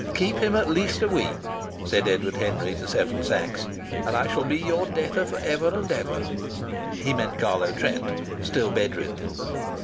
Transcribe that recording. "Keep him at least a week," said Edward Henry to Seven Sachs, "and I shall be your debtor for ever and ever." He meant Carlo Trent, still bedridden.